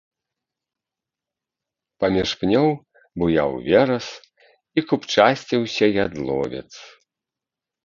Паміж пнёў буяў верас і купчасціўся ядловец.